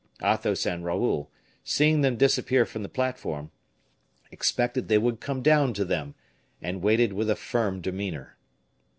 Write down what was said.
Athos and Raoul, seeing them disappear from the platform, expected they would come down to them, and waited with a firm demeanor.